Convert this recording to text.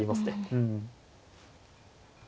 うん。